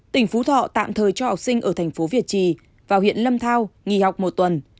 tỉnh phú thọ tạm thời cho học sinh ở thành phố việt trì vào huyện lâm thao nghỉ học một tuần